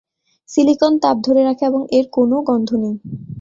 Silicon তাপ ধরে রাখে এবং এর কোনও গন্ধ নেই।